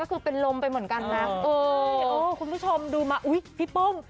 ก็คือเป็นลมไปเหมือนกันนะคุณผู้ชมดูมาพี่โป้ง